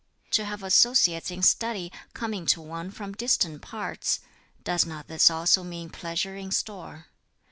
"To have associates in study coming to one from distant parts does not this also mean pleasure in store?